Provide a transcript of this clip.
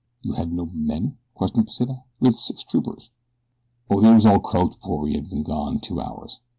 "You had no men?" questioned Pesita. "You had six troopers." "Oh, they was all croaked before we'd been gone two hours.